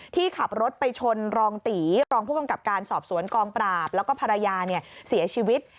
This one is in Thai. ที่ขับรถไปชนรองตีรองผู้กำกับการสอบสวนกองปราบแล้วก็ภรรยาเสียชีวิต